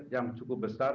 yang cukup besar